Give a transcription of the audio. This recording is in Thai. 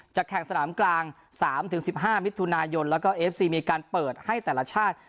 จากแข่งสนามกลางสามถึงสิบห้ามิตรทุนายนแล้วก็เอฟซีมีการเปิดให้แต่ละชาติ